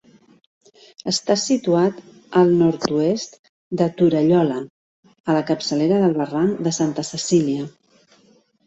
Està situat al nord-oest de Torallola, a la capçalera del barranc de Santa Cecília.